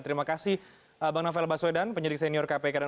terima kasih mbak novel baswedan penyidik senior kpk dan usai jedah baik